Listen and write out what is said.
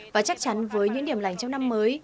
và chắc chắn với những điểm lành trong năm mới